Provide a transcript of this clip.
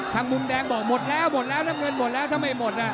มุมแดงบอกหมดแล้วหมดแล้วน้ำเงินหมดแล้วถ้าไม่หมดน่ะ